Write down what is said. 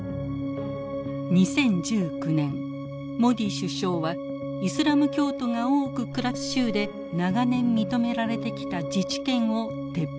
２０１９年モディ首相はイスラム教徒が多く暮らす州で長年認められてきた自治権を撤廃。